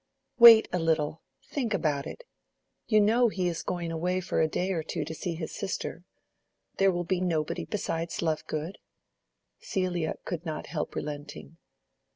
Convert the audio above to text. "Wait a little. Think about it. You know he is going away for a day or two to see his sister. There will be nobody besides Lovegood." Celia could not help relenting.